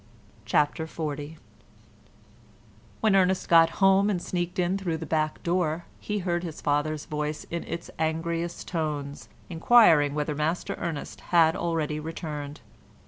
CHAPTER XL When Ernest got home and sneaked in through the back door, he heard his father's voice in its angriest tones, inquiring whether Master Ernest had already returned.